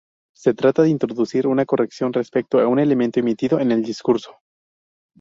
Se trata de introducir una corrección respecto de un elemento emitido en el discurso.